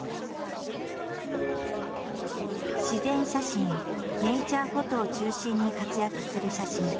自然写真ネイチャーフォトを中心に活躍する写真家。